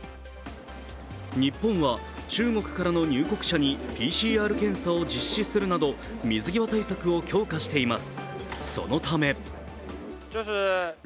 日本は中国からの入国者にＰＣＲ検査を実施するなど水際対策を強化しています。